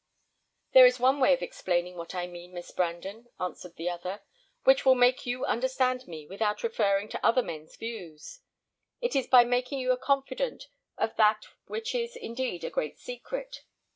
"There is one way of explaining what I mean, Miss Brandon," answered the other, "which will make you understand me without referring to other men's views. It is by making you a confidant of that which is, indeed, a great secret.